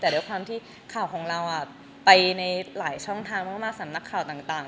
แต่ด้วยความที่ข่าวของเราไปในหลายช่องทางเพราะว่ามาสำนักข่าวต่าง